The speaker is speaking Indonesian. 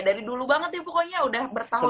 dari dulu banget ya pokoknya udah bertahun tahun